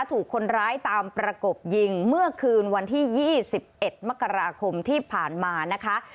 ถูกคนร้ายตามประกบยิงเมื่อคืนวันที่๒๑มกราคมที่ผ่านมานะคะ